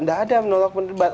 nggak ada menolak berdebat